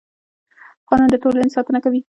قانون د ټولنې ساتنه کوي